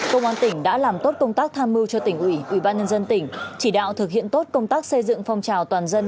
công an tỉnh đã làm tốt công tác tham mưu cho tỉnh ủy ủy ban nhân dân tỉnh chỉ đạo thực hiện tốt công tác xây dựng phong trào toàn dân